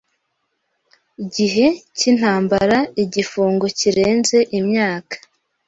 gihe cy intambara igifungo kirenze imyaka